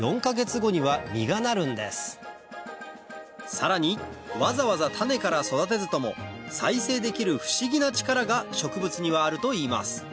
さらにわざわざ種から育てずとも再生できる不思議な力が植物にはあるといいます